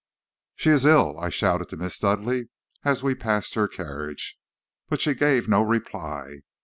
"'She is ill,' I shouted to Miss Dudleigh, as we passed her carriage. But she gave me no reply.